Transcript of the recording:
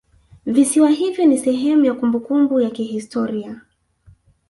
Visiwa hivyo ni sehemu ya kumbukumbu ya kihistoria